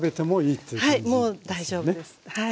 はいもう大丈夫です。